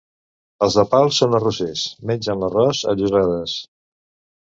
Els de Pals són arrossers, mengen l'arròs a llossades.